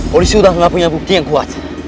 polisi sudah tidak punya bukti yang kuat